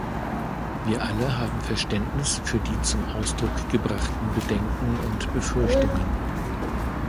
Wir alle haben Verständnis für die zum Ausdruck gebrachten Bedenken und Befürchtungen.